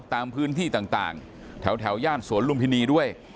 ตามพื้นที่ต่างแถวย่านสวนลุมพินีด้วย